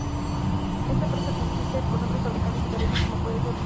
Esta empresa compite con otros fabricantes italianos como puede ser Ducati.